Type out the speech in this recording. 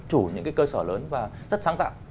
chủ những cái cơ sở lớn và rất sáng tạo